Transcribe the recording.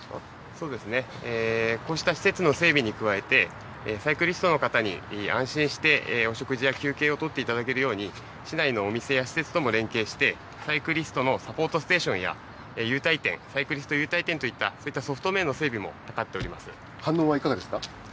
そうですね、こうした施設の整備に加えて、サイクリストの方に安心してお食事や休憩を取っていただけるように、市内のお店や施設とも連携して、サイクリストのサポートステーションや、優待店、サイクリスト優待店といった、そういったソフト面の整備も図っ反応はいかがですか。